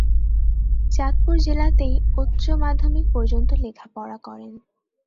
চাঁদপুর জেলাতেই উচ্চ মাধ্যমিক পর্যন্ত লেখাপড়া করেন।